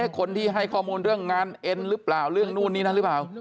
คนที่ให้ข้อมูลเรื่องงานเอ็นหรือเปล่าเรื่องนู่นนี่นั่นหรือเปล่า